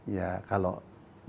ya kalau bahasa